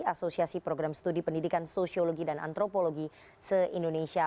asosiasi program studi pendidikan sosiologi dan antropologi se indonesia